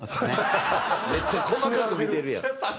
めっちゃ細かく見てるやん。